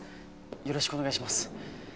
よろしくお願いします。